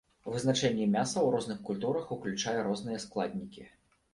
Вызначэнне мяса ў розных культурах уключае розныя складнікі.